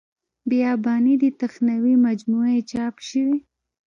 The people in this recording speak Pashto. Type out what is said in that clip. بیاباني دې تخنوي مجموعه یې چاپ شوې.